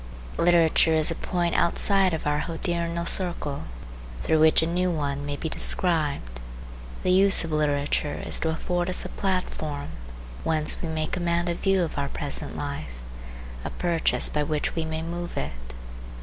Literature is a point outside of our hodiernal circle through which a new one may be described. The use of literature is to afford us a platform whence we may command a view of our present life, a purchase by which we may move it.